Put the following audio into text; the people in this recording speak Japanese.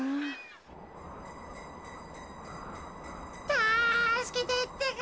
たすけてってか。